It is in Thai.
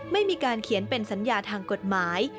ไม่มีการเขียนเป็นสัญญาทางกฎหมาย